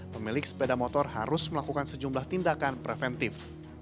pemilik sepeda motor harus melakukan sejumlah tindakan preventif